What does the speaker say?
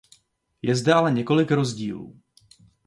Je zde ale několik rozdílů.